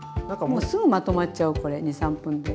もうすぐまとまっちゃうこれ２３分で。